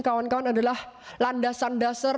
kawan kawan adalah landasan dasar